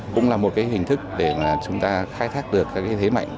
cũng là một cái hình thức để mà chúng ta khai thác được các cái thế mạnh